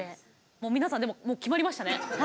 もう皆さんでももう決まりましたね。